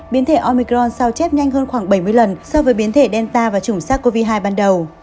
biến thể omicron sao chép nhanh hơn khoảng bảy mươi lần so với biến thể delta và chủng sars cov hai ban đầu